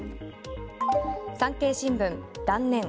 産経新聞、断念。